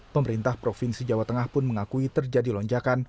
pemerintah provinsi jawa tengah pun mengakui terjadi lonjakan